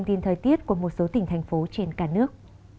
thời tiết của một số tỉnh thành phố trên cả nước